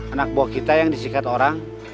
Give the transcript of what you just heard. anak buah kita yang disikat orang